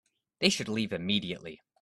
They should leave immediately.